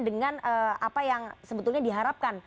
dengan apa yang sebetulnya diharapkan